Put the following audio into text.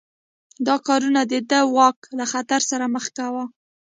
دا کارونه د ده واک له خطر سره مخ کاوه.